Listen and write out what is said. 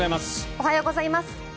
おはようございます。